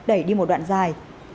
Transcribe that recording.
đẩy đi một đoạn dài